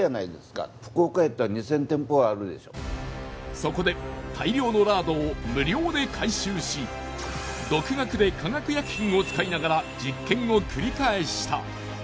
そこで大量のラードを無料で回収し独学で化学薬品を使いながら実験を繰り返した。